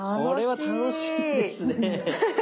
これは楽しいですね。